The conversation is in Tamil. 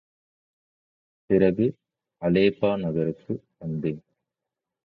பிறகு அலெப்பா நகருக்கு வந்தேன்.